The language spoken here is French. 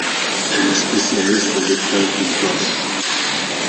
Elle est spécialiste de l'épreuve des bosses.